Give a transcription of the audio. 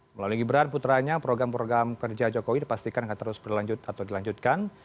melalui gibran putranya program program kerja jokowi dipastikan akan terus berlanjut atau dilanjutkan